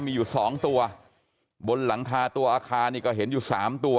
มีอยู่สองตัวบนหลังคาตัวอาคารนี่ก็เห็นอยู่สามตัว